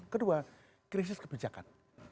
kedua krisis kebijakan